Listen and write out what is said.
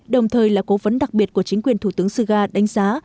đồng thời là cố vấn đặc biệt của chính quyền thủ tướng suga đánh giá